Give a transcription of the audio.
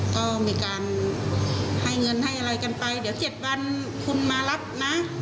ก็มีการให้เงินให้อะไรกันไปเดี๋ยว๗วันคุณมารับนะ